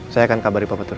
saya akan kabar di papatur